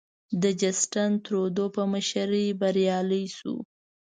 د جسټین ترودو په مشرۍ بریالی شو.